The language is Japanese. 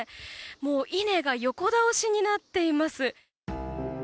もう稲が横倒しになっています。